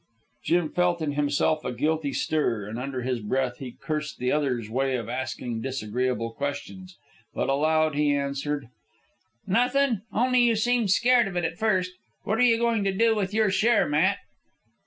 Jim felt in himself a guilty stir, and under his breath he cursed the other's way of asking disagreeable questions; but aloud he answered "Nothin', only you seemed scared of it at first. What are you goin' to do with your share, Matt?"